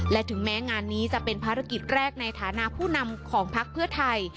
และถึงแม้งานนี้จะเป็นภารกิจแรกในฐานะผู้นำของพักเพื่อไทย